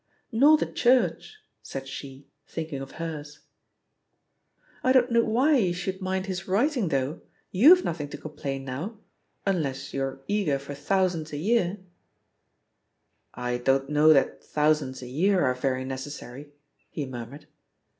"Nor the Church," said she, thinking of hers. ... "I don't know why you should mind his writing, though; you've nothing to complain of THE POSITION OF PEGGY HARPER C95 now — ^unless yotfre eager for thousands a year?*' '"I don't know that thousands a year are very necessary/' he murmured.